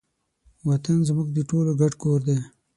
وطن زموږ د ټولو ګډ کور دی.